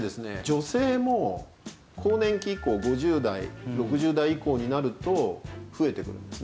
女性も更年期以降５０代６０代以降になると増えてくるんですね。